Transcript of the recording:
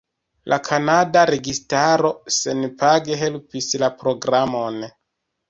La kanada registaro senpage helpis la programon.